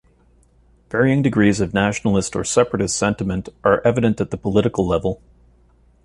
Varying degrees of nationalist or separatist sentiment are evident at the political level.